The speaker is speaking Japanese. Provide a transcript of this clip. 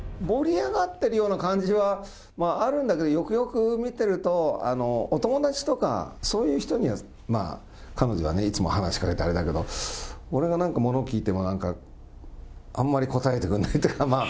盛り上がってるような感じはあるんだけど、よくよく見ていると、お友達とか、そういう人には彼女はいつも話しかけてあれなんだけど、俺がなんかもの聞いても、なんか、あんまり答えてくれないとか。